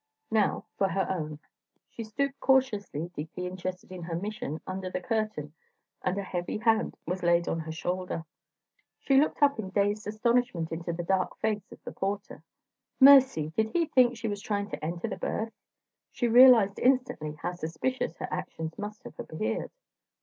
Now for her own. She stooped cautiously, deeply interested in her mission, under the curtain and a heavy hand was laid on her shoulder. She looked up in dazed astonishment into the dark face of the porter. Mercy! did he think she was trying to enter the berth? She realized, instantly, how suspicious her actions must have appeared.